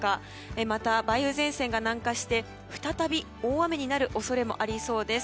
また、梅雨前線が南下して再び大雨になる恐れもありそうです。